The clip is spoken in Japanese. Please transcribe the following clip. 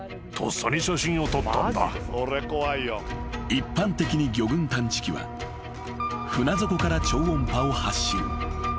［一般的に魚群探知機は船底から超音波を発信］